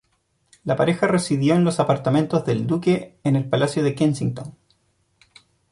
La pareja residió en los apartamentos del duque en el Palacio de Kensington.